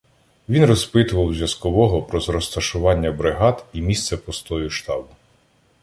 Він розпитував зв'язкового про розташування бригади і місце постою штабу.